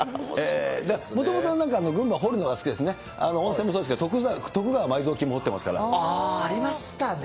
もともとなんか、群馬、掘るもの好きですね、温泉もそうですが、徳川埋蔵金も掘ってますありましたね。